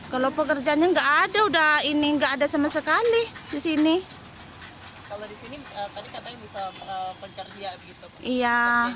kalau pekerjaannya nggak ada udah ini nggak ada sama sekali di sini kalau di sini tadi katanya bisa kerja gitu iya